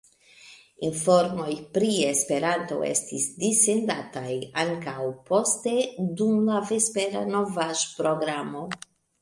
Informoj pri Esperanto estis dissendataj ankaŭ poste dum la vespera novaĵ-programo.